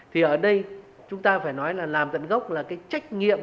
thì ở đây chúng ta phải nói là làm tận gốc là cái trách nhiệm